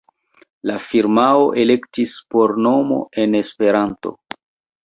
La firmao elektis por nomo en Esperanto.